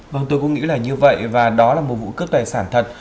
vâng tôi có nghĩ là như vậy và đó là một vụ cướp tài sản thật